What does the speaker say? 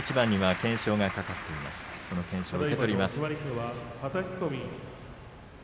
懸賞を受け取ります。